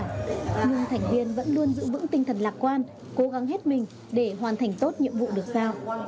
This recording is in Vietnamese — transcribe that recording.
nhưng thành viên vẫn luôn giữ vững tinh thần lạc quan cố gắng hết mình để hoàn thành tốt nhiệm vụ được giao